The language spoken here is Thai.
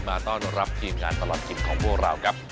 มาต้อนรับทีมงานตลอดกินของพวกเราครับ